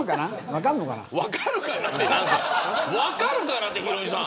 分かるかなって何ですかヒロミさん。